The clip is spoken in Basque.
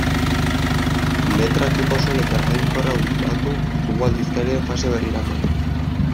Letra-tipo soil eta eraginkorra hautatu dugu aldizkariaren fase berrirako.